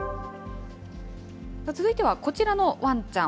続いてはこちらのわんちゃん。